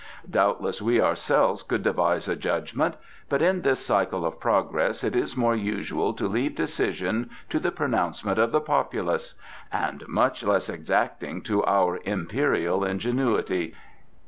"Doubtless we ourselves could devise a judgment, but in this cycle of progress it is more usual to leave decision to the pronouncement of the populace and much less exacting to our Imperial ingenuity.